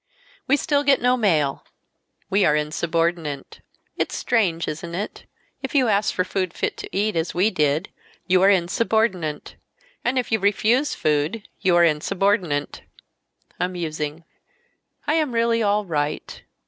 "We still get no mail; we are 'insubordinate.' It's strange, isn't it; if you ask for food fit to eat, as we did, you are 'insubordinate'; and if you refuse food you are 'insubordinate.' Amusing. I am really all right.